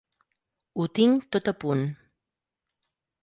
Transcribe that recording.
Ho tinc tot a punt.